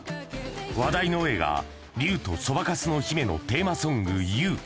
話題の映画、竜とそばかすの姫のテーマソング、Ｕ。